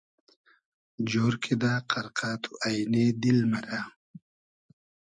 جۉر کیدہ قئرقۂ تو اݷنې دیل مئرۂ